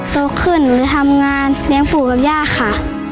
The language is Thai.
โตขึ้นหรือทำงานเลี้ยงปู่กับย่าค่ะ